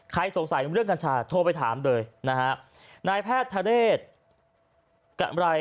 ใครสงสัยเรื่องกัญชาโทรไปถามเลยนะฮะ